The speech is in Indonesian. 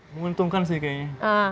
menguntungkan sih kayaknya